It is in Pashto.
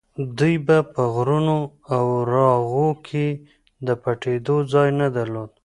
دوی به په غرونو او راغو کې د پټېدو ځای نه درلود.